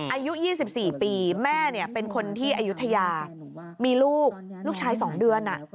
อายุ๒๔ปีแม่เป็นคนที่อายุทยามีลูกลูกชาย๒เดือน